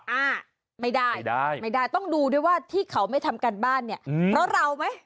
อ่าไม่ได้ไม่ได้ต้องดูด้วยว่าที่เขาไม่ทำการบ้านเนี่ยเพราะเราไหม